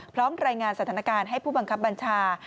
พร้อมรายงานสถานการณ์ให้ผู้บังคับบัญชา